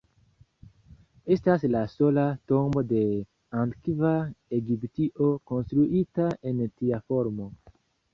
Estas la sola tombo de antikva Egiptio konstruita en tia formo.